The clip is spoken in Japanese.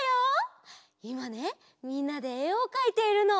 いまねみんなでえをかいているの。